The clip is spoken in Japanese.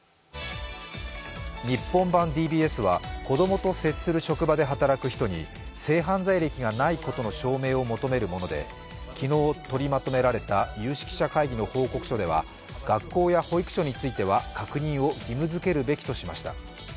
日本版ＤＢＳは子供と接する職場で働く人に性犯罪歴がないことの証明を求めるもので昨日取りまとめられた有識者会議の報告書では学校や保育所については確認を義務づけるべきとしました。